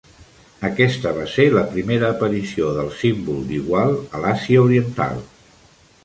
Aquesta va ser la primera aparició del símbol d'igual a l'Àsia Oriental.